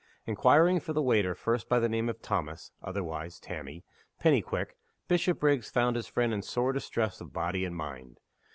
Inquiring for the waiter first by the name of Thomas (otherwise Tammy) Pennyquick, Bishopriggs found his friend in sore distress of body and mind.